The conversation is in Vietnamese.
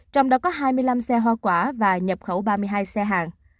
trong đó có hai mươi năm xe hoa quả và nhập khẩu ba mươi hai xe hàng